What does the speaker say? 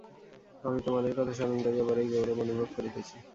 আমি তোমাদের কথা স্মরণ করিয়া বড়ই গৌরব অনুভব করিতেছি।